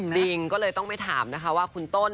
จริงก็เลยต้องไปถามนะคะว่าคุณต้น